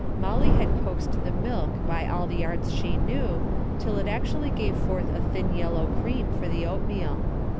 Molly had coaxed the milk by all the arts she knew, till it actually gave forth a thin yellow cream for the oatmeal.